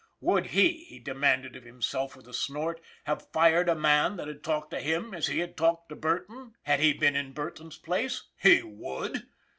Would he, he demanded of himself with a snort, have fired a man that had talked to him as he had talked to Burton, had he been in Burton's place? He would!